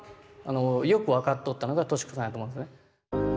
よく分かっとったのが敏子さんやと思うんですね。